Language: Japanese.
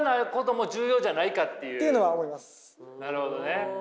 なるほどね。